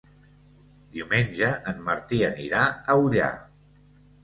Diumenge en Martí anirà a Ullà.